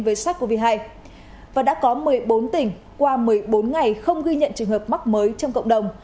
với sars cov hai và đã có một mươi bốn tỉnh qua một mươi bốn ngày không ghi nhận trường hợp mắc mới trong cộng đồng